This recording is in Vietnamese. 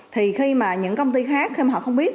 thì khi mà những công ty khác khi mà họ không biết